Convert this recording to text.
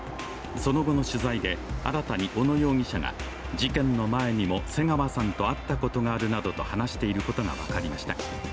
その後の取材で、新たに小野容疑者が、事件の前にも瀬川さんと会ったことがあると話していることが分かりました。